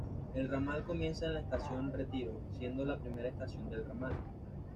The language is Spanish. El ramal comienza en la estación Retiro, siendo la primera estación del ramal.